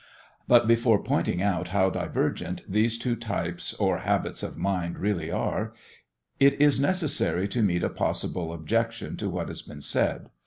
But before pointing out how divergent these two types or habits of mind really are, it is necessary to meet a possible objection to what has been said.